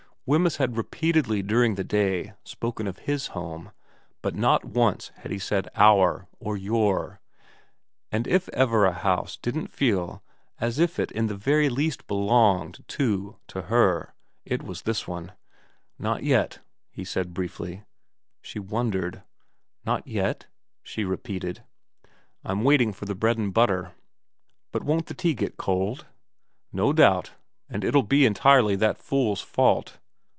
Wemyss had repeatedly during the day spoken of his home, but not once had he said ' our ' or ' your '; and if ever a house didn't feel as if it in the very least belonged, too, to her, it was this one. ' Not yet,' he said briefly. She wondered. ' Not yet ?' she repeated. 264 VERA xxrv ' I'm waiting for the bread and butter.' * But won't the tea get cold ?'' No doubt. And it'll be entirely that fool's fault.'